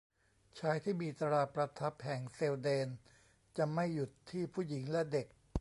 ชายที่มีตราประทับแห่งเซลเดนจะไม่หยุดที่ผู้หญิงและเด็ก